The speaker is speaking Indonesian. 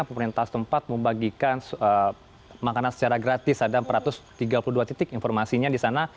pemerintah setempat membagikan makanan secara gratis ada empat ratus tiga puluh dua titik informasinya di sana